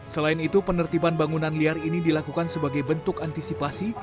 selain itu penertiban bangunan liar ini dilakukan sebagai bentuk antisipasi